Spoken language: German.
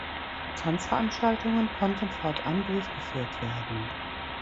Tanzveranstaltungen konnten fortan durchgeführt werden.